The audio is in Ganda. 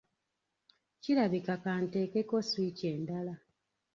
Kirabika ka nteekeko switch endala.